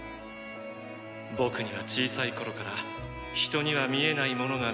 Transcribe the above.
僕には小さい頃から人には見えないものが見えていた。